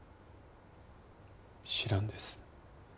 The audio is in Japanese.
知らんです。